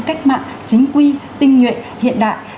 cách mạng chính quy tinh nguyện hiện đại